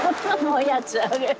おやつあげる。